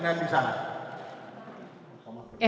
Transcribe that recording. tidak ada komunikasi dengan di sana